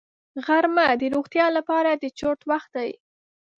غرمه د روغتیا لپاره د چرت وخت دی